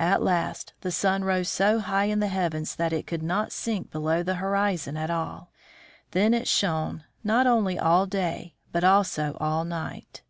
At last the sun rose so high in the heavens that it could not sink below the horizon at all. Then it shone, not only all day, but also all night.